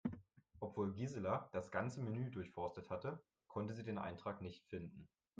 Obwohl Gisela das ganze Menü durchforstet hatte, konnte sie den Eintrag nicht finden.